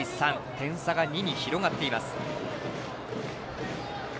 点差が２に広がっています。